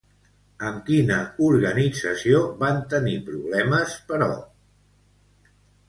Amb quina organització van tenir problemes, però?